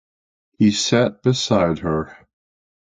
He sat beside her.